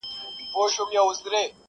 په حيرت وکړه قاضي ترېنه پوښتنه!.